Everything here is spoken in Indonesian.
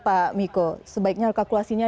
pak miko sebaiknya kalkulasinya